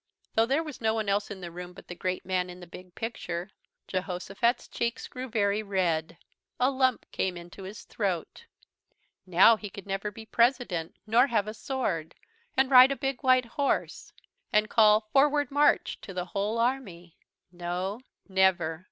Though there was no one else in the room but the great man in the big picture, Jehosophat's cheeks grew very red. A lump came into his throat. Now he never could be president nor have a sword and ride a big white horse and call "Forward March" to the whole army. No never!